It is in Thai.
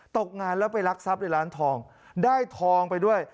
ตกงานแล้วไปรักทรัพย์ในร้านทองได้ทองไปด้วย